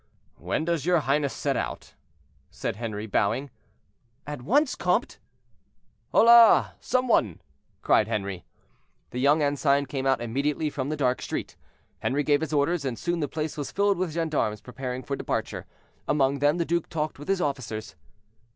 "When does your highness set out?" said Henri, bowing. "At once, comte." "Hola! some one," cried Henri. The young ensign came out immediately from the dark street. Henri gave his orders, and soon the place was filled with gendarmes preparing for departure. Among them the duke talked with his officers.